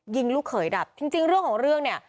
ยิงลูกเขยดับจริงจริงเรื่องของเรื่องเนี่ย